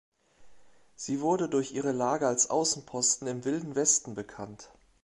Sie wurde durch ihre Lage als Außenposten im „Wilden Westen“ bekannt.